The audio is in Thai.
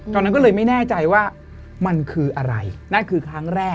ตอนนั้นก็เลยไม่แน่ใจว่ามันคืออะไรนั่นคือครั้งแรก